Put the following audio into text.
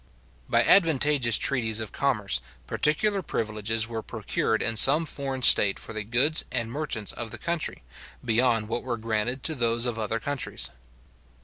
By advantageous treaties of commerce, particular privileges were procured in some foreign state for the goods and merchants of the country, beyond what were granted to those of other countries.